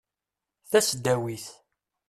Tasdawit.